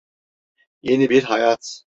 Yeni bir hayat.